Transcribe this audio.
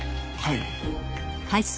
はい。